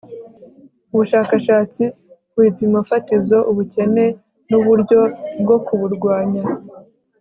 ubushakashatsi ku bipimo fatizo biranga ubukene n'uburyo bwo kuburwanya